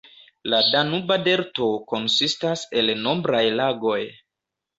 La Danuba Delto konsistas el nombraj lagoj.